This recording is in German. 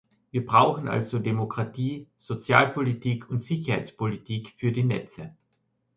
Wir brauchen also Demokratie, Sozialpolitik und Sicherheitspolitik für die Netze.